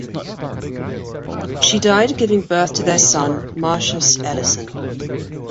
She died giving birth to their son Martius Ellison.